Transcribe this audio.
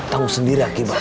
kamu sendiri yang kibat